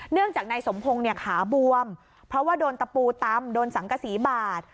เนื่องจากนายสมพงศ์เนี่ยขาบวมเพราะว่าโดนตะปูตำโดนสังกษีบาด